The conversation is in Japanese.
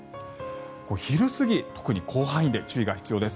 昼過ぎ、特に広範囲で注意が必要です。